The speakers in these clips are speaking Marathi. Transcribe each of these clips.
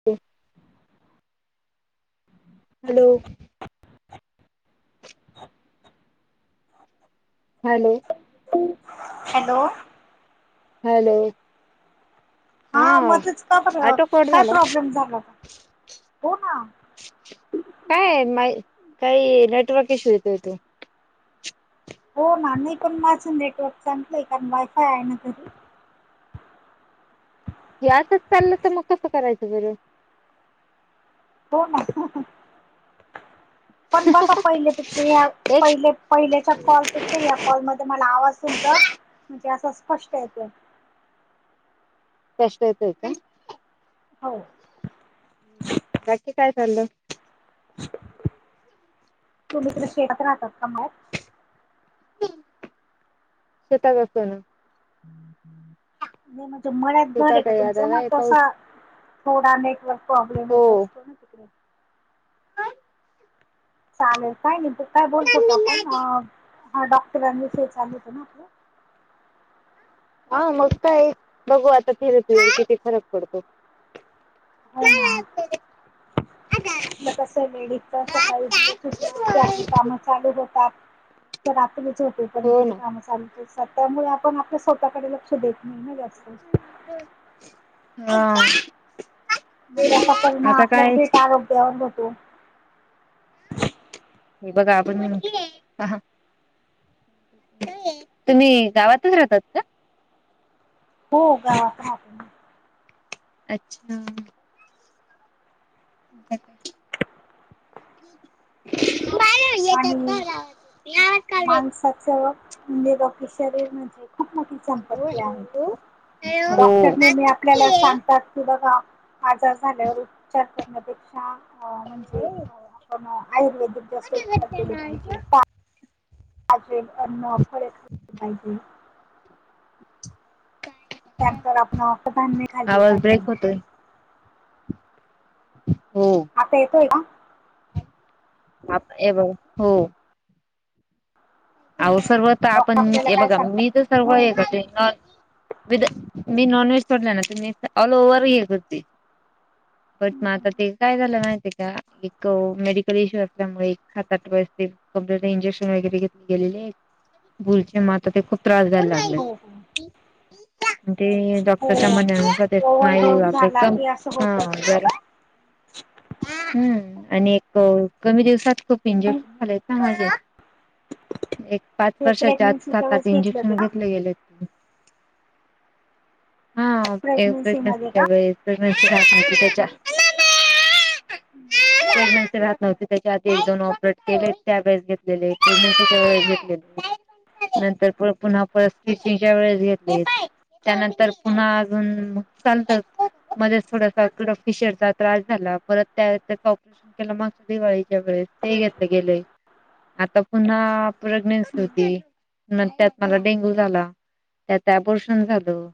[unintelligible] हॅलो! हॅलो! हॅलो! हॅलो! हा मध्येच का बर ऑटो कट काय झाला प्रॉब्लेम झालेला? हो ना. काय नाही, काही नेटवर्क इश्यू येत होत. हो ना नाही पण माझं नेटवर्क चांगलंय कारण वायफाय आहे ना घरी. हे असच चाल तर मग कसं करायचं बरं? हो ना पण बघा पहिले पेक्षा या एक पहिले पहिल्याच्या कॉलपेक्षा या कॉलमध्येध्ये मला आवाज तुमचा म्हणजे असं स्पष्ट येतोय. स्पष्ट येतोय का? हो. बाकी काय चाललंय? तुम्ही तर शेतात राहतात का मळ्यात. शेतात [unintelligible] [inaudible] नाही म्हणजे मळ्यात घर आहे शेतात का आता तुमचं मग काय तंस पाऊस थोडा नेटवर्क प्रॉब्लेम येत हो असतो ना तिकडे. चालेल काय नेमकं काय नेमकं बोलत होतो आपण डॉक्टरांविषयी चालू होत ना आपलं. हा मग काय बघू आता [unintelligible] किती फरक पडतो. हो ना. आपलं कसय लेडीजच सकाळी [unintelligible] सुटल की आपली काम चालू होतात. ते रात्री झोपेपर्यंत हो ते ना काम चालू त्यामुळे आपण आपल्या स्वतःकडे लक्ष देत नाही ना जास्त. हा. म त्याचा परिणाम आता आपल्या काय थेट आरोग्यावर होतो. हे बघा आपण म. तुम्ही गावातच राहतात का? हो गावात रा ह. अच्छा. [unintelligible] आणि माणसाचं म्हणजे शरीर म्हजे खूप मोठी. संपत्ती आहे डॉक्टर नेमी आपल्याला सांगतात. कि बघा आजार झाल्यावर उपचार करण्यापेक्षा म्हणजे आयुर्वेदिक. जास्त उपचार ते नायत [unintelligible] े अन्न परत पाहिजे त्यांतर आपण फक्त धान्य खाल्ले आवाज पाहिजे. ब्रेक होतोय हम. आता येतोय का? आता ए बघ हो. अहो सर्व तर डॉक्टर आपण आपल्याला हे काय बघा मी तर सांगतात सर्व हो हे होते. विथ मी नॉन व्हेज सोडले ना तम्ी ऑल ओव्हर हे करते. बट हम्म, माझ हम्म. ते. काय झालं नाहीय का एक मेडिकल इश्यू असल्यामुळे हातात बतील. कपडे्या इंजेक्शन वगैरे घेतले गेलेले भुलचे माता ते खूप. त्रास झायला लागले. हो हो आणि ते डॉक्टरच्या म्हणण्यानुसार ते सान्यू आपले काम अस होत. हम्म आणि एक कमी दिवसात खूप पण इंजेक्शन झाले आहेत ना माझे. एक पाच ते वर्षाच्या आ प्रेग्नेन्सीच्या सात आात वेळेस घेतलं ते इंजेक्शन का घेतले गेलेत. हा प्रेग्नेन्सी मध्ये प्रेग्नसीच्या का वेळेस. माती त्याच्या [unintelligible] राहत नव्हते त्याच्या आधी एक दोन ऑपरेट केले त्या वेळेस घेतलेलेेस घेतलेले. नंतर पुन्हा परस्िसच्या वेळेस घेतली. त्यानंतर पुन्हा अजून चालत मध्ये थोडसा कड फिशरचा त्रास झाला. परत त्या त्याच ऑपरेशन केलं मागस दिवाळीच्या वेळेस ते घेतले गेले. आता पुन्हा प्रेग्नेन्सी होती न त्यात मला डेंगू झाला. त्यात अबोरशन झालं.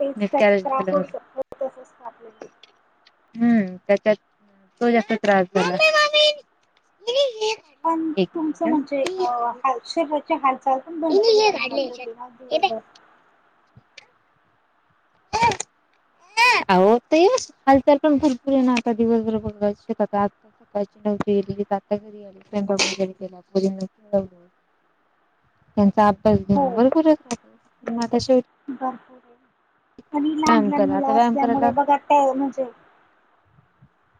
तेच त्याचा मिसकॅरेज त्रास झालं होऊ शकतो तसच कालेला. हम्म त्याच्यात तो जास्त त्रास झाला. पण एक मिनिट तुमचं म्हणजे ह हालचाल पण भरपूर प्रमाणात होते ना दिवसभर. ते हलचा पण भरपूे नाता दिीवस बरोबस ग आ सकाळची नवज गेली आता घरी आली स्वयंकापू घरी त्याला पुरी नव्हतीव. त्यांचा अभ्यास हो घेणं बरोबरच राहतो म आता शेवटी, भरपूर आहे आणि लहान व्यायाम लहान करा आता मुलं व्यायाम करायला असल्यामुळे बघत त्या म्हणजे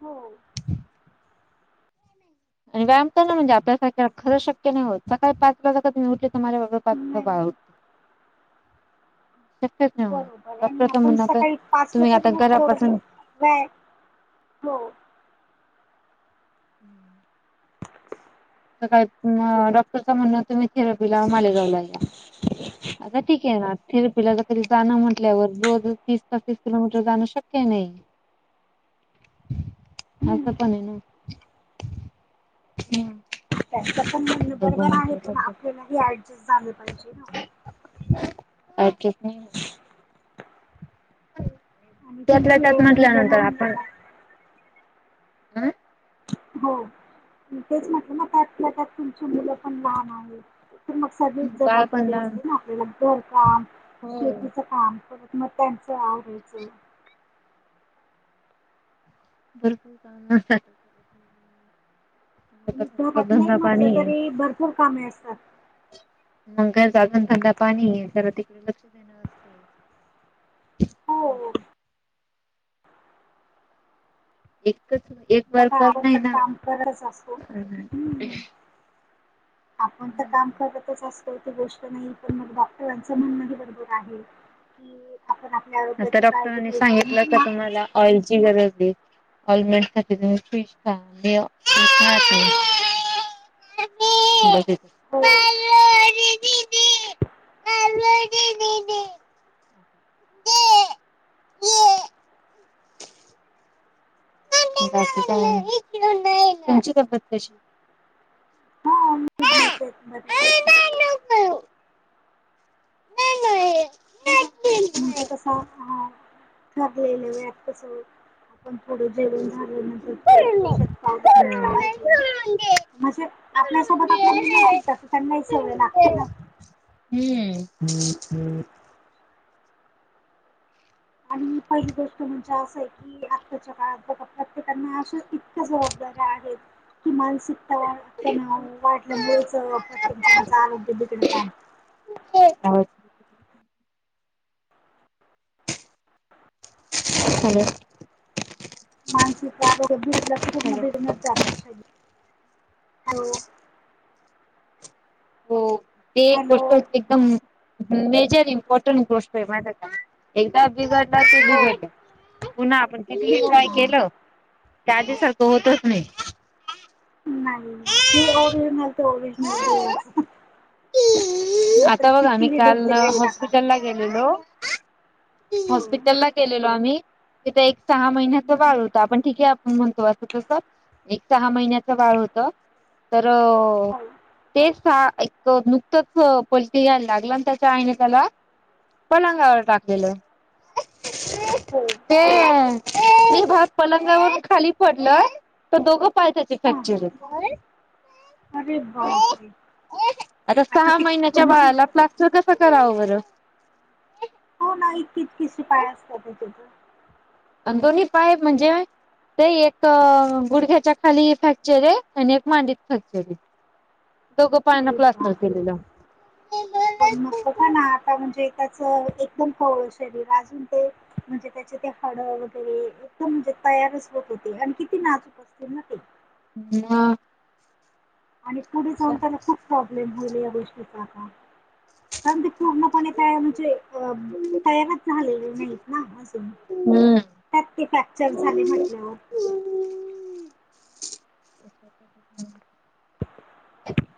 हो. आणि व्यायाम करण म्हजेल्या का खरं शक्य नाही होत सकाळी पाच वाजता त मी उठ तर माझ्या बाब पाच वाज नाही बाळा उतो. [unintelligible] बरोबर आणि आपण सकाळी पाच तुम्ही आता वाजत घतलो घरी घरापासून व हो. हम्म. काय डॉक्टरच म्हणणं तुम्ही थेरपीला मालेगाव ला या. ठीक आहे नाथिरपिला ज तरी जाणं म्हटल्यावर रोज तीस पस्तीस किलोमीटर जाणं शक्य नाही. [inaudible] असं हम्म पण आहे ना ह त्याच पण म्हण बरोबर आहे पण आपल्यालाही ऍडजस्ट झालं पाहिजे ना अ किती नाही आणि त्यातल्या तुमची त्यात मुलं म्हटल्यानंतर लहान आपण अ हो तेच म्हटलं ना त्यातल्या त्यात तुमची मुलं पण लहान आहेत तर मग सगळीच बाळ पण जबाबदारी लहान असते ना आपल्याला घरकाम हो शेतीच काम करत मग त्यांचं आवडायचं भरपूर काम घरचा आणि थोडासा घरात नाही धंदा म्हटलं पाणी आहे. तरी भरपूर कामे असतात मर अजूनधा पाणी ज तिकडे लक्ष न वातो हो. एकच एक बघा वरपर आपण नाही तर ना. काम करतच असतो हम्म आपण तर काम करत. असत गोष्ट नाही पण मग डॉक्टरांचं म्हणणं हे बरोबर आहे की आपण आपल्या आता आरोग्याची काळजी डॉक्टरांनी घ्यायची सांगितलं म्हणजेग का ऑइलची वर ऑलमंड साठी तुम्ही फिश ख मी म बालडी हो बालडी दिनी ह ते बाकी काय नाही, तुमची तबेत कशी? [inaudible] म्हणजे कस हा ठरलेलं वत कस आपण पुढे जेडून झारले री शेत पावेतलं पाहिजे म्हणजे आपल्यासोबत आपल्या मुली हम्म. फिरतात त्यांनाही सवय लागते ना हम्म हम् हम् आणि पहिली गोष्ट म्हणजे असं आहे की आताच्या काळात बघ त्यांना अशा इतक्या जबाबदऱ्या आहेत की माण शिकता वाटल्यामुळेच प्रत्येक जणाचं आरोग्य बिघडत आहे [inaudible] ह मानसिक आरोग बिघडलं की पूण बेघूनच जाण्या श हो ते हॅलो गोष्ट एकदम मेजर इम्पॉर्टंट गोष्ट आहे माझ्या एकदा बिघडलं ते हो बिघडलं पुन्हा आपण किती हो ट्राय ना केलं त्याच्यासारखं होतच नाही नाही जे ओरिजनल ते ओरिजनल देवाच आता बघा मी काल डुप्लिकेट टाका हॉस्पिटल ला गेलेलो हो हॉस्पिटल ला गेलेलो आम्ही तिथे एक. सहा महिन्याचा हम्म, बाळ होत आपण ठीके आपण म्हणतो अस. तस एक सहा महिन्याच बाळ होत तर. हो तेच सहा एक नुकतंच पलटीयला लागलं ना त्याच्या आईने त्याला. पलंगावर टाकलेलं. हो. ह मी [unintelligible] भात पलंगावरून खाली पडलं तर दोघं पाय त्याचे हा हा फ्रॅक्चर आहेत. अरे बापरे. तर आता सहा ते महिन्याच्या म्हणजे बाळाला क्लास्टर कस करावं बरं. हो ना हीतकीतकी पाय असतात त्याज. अ दोन्ही पाय म्हणजे. ते एक अ गुडघ्याच्या खाली फॅक्चर आहे आणि एक मांडीत फॅक्चर आहे. दोघं पायन अरे प्लास्टर बापरे! केलेलं. पण मग का ना आता म्हणजे त्याच एकदम कवळ शरीर अजून ते. म्हणजे त्याचे ते हाडं वगैरे एकदम म्हणजे तयारच होत होते आणि किती नाजूक. बघतील ना ते. मु हा. आणि पुढे जाऊन त्याला खूप प्रॉब्लेम होईल या गोष्टीचा का. कारण ते पूर्ण पणे तयारच हाय. तयारच झालेली नाहीत ना हम्म. त्यात ते फ्रॅक्चर झाले म्हटल्यावर. अ हम्.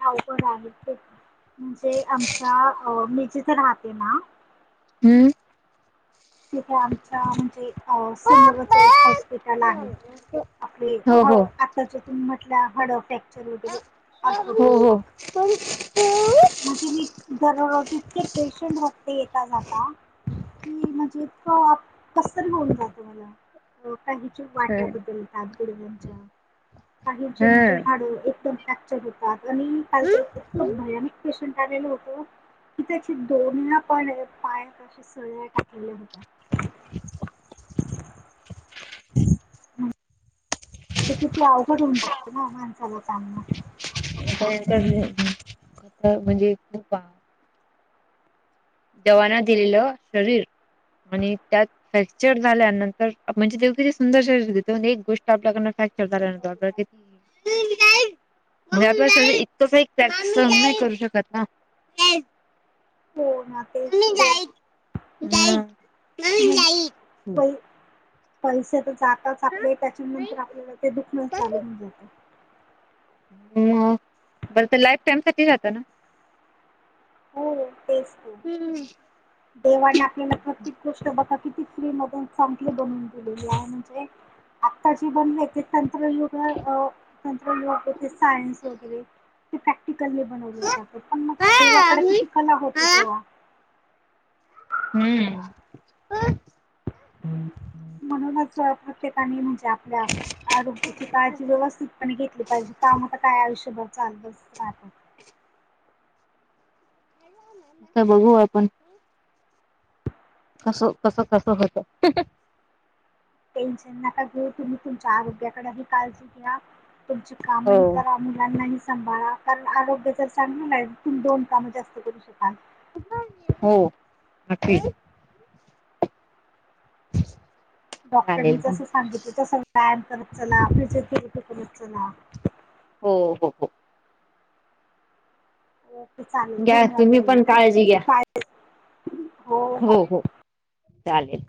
अवघड आहे ते म्हणजे आमच्या मी जेथ राहते ना. हम्म. तिथे आमच्या म्हणजे. समोरच एक हॉस्पिटल आहे आपले हो आ. त्याच्यातून म्हटलं हड फ्रॅक्चर वगैरे. हो हो. ऑर्थोपेस्टिक म्हणजे मी. दररोज इतके पेशंट बघते येता जाता की म्हणजे इतकं. कस तरी होऊन जातं मला हो काही. वाट्या बदलतात गड्यांच्या काही म्हणजे हम्म हडदम. तात [unintelligible] आणि काल तर हम्म. इतक भयानक पेशंट होत कि त्याचे दोन पण पाया अे सळ्या टाकलेले होते. [inaudible] म्हणजे किती अवघड होऊन जते ना माणसाला चांगल्या. म्हणजे खूप [inaudible] दवाना दिलेलं शरीर म्हणे त्यात. फ्रॅक्चर झाल्यानंतर आ प म्हणजे देव किती सुंदरून एक गोष्ट आपल्याकनं फ्रॅक्चर झाल्यानंतर. द बरोबर, कती [unintelligible] इतकं काॅक् स नाही करू शकत ना [inaudible] हो ना तेच. ह म पै [unintelligible] जा आ आप त्याच्यानंतर आपल्याला ते दुखणं चालून जातं. मग पर लाईफ टाइम साठी राहातं ना. हो तेच की. [inaudible] देवाने आपल्याला प्रत्येक गोष्ट बघा किती फ्री मधून चांगले बनवून दिलेली आहे म्हणजे. आत्ता जे बनले ते तंत्रयुग अ तंत्रय युग ते सायन्स वगैरे. ते प्रॅक्टिकलली बनवले जाते पण मग देवाकडे किती कला होते तेव्हा हम्म म्हणूनच प्रत्येकाने आप आरोग्याची काळजी व्यवस्थितप घेतली पाहिजे काम आता काय आयुष्य बघ चालच राहत बघू आपण कसं कसं कसं होत टेन्शन नका घेऊ तुम्ही तुमच्या आरोग्याकडे ह काळजी घ्या तुमची हो कामही करा मुलांनाही सांभाळा कारण आरोग्य जर सांग तुमही दोन कामं जास्त करू शकाल होठी ब डॉक्टरनी जस सांगितलं तस व्यायाम करत चला फिजियोथेरपी करत चला हो हो हो ओके चालेल घ्या धन्यवाद तुम्ही त्यांनी पण काळजी घ्या काय हो हो चालेल